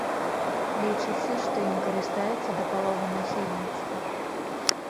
Лічыцца, што ім карыстаецца да паловы насельніцтва.